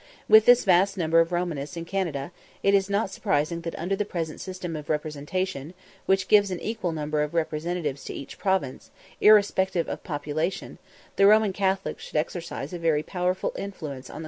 With this vast number of Romanists in Canada, it is not surprising that under the present system of representation, which gives an equal number of representatives to each province, irrespective of population, the Roman Catholics should exercise a very powerful influence on the colonial Parliament.